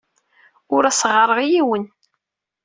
Ur as-ɣɣareɣ i yiwen.